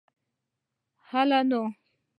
هلئ نو.